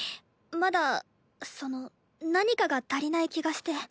まだその何かが足りない気がして。